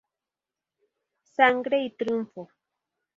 Sangre y triunfo".